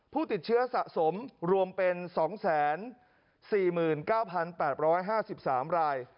ผู้ติดเชื้อสะสมรวมเป็น๒๔๙๘๕๓ราย